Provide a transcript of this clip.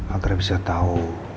agar bisa tahu